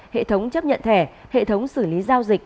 hệ thống chấp nhận thẻ hệ thống xử lý giao dịch